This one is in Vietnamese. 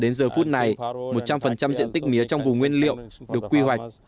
năm nay một trăm linh diện tích mía trong vùng nguyên liệu được quy hoạch